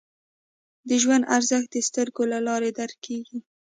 د ژوند ارزښت د سترګو له لارې درک کېږي